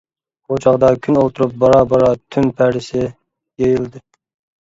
بۇ چاغدا كۈن ئولتۇرۇپ، بارا-بارا تۈن پەردىسى يېيىلدى.